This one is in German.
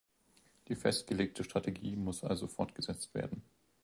Die festgelegte Strategie muss also fortgesetzt werden.